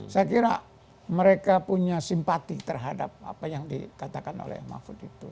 saya kira mereka punya simpati terhadap apa yang dikatakan oleh mahfud itu